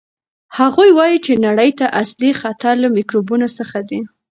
هغوی وایي چې نړۍ ته اصلي خطر له میکروبونو څخه دی.